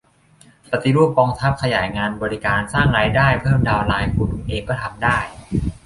ปฏิรูปกองทัพ ขยายงานบริการ สร้างรายได้ เพิ่มดาวน์ไลน์ คุณเองก็ทำได้